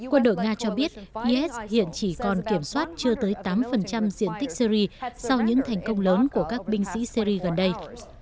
quân đội nga cho biết is hiện chỉ còn kiểm soát chưa tới tám diện tích syri sau những thành công lớn của các binh sĩ syri gần đây